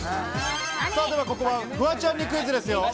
ではここはフワちゃんにクイズですよ。